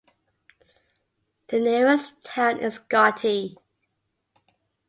The nearest town is Ghoti.